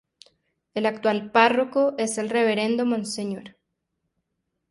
El actual párroco es el Reverendo Monseñor.